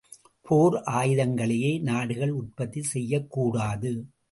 போர் ஆயுதங்களையே நாடுகள் உற்பத்தி செய்யக்கூடாது.